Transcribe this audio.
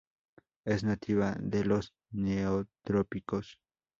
Es nativa de los Neotrópicos.